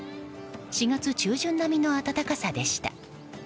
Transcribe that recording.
４月中旬並みの暖かさでした。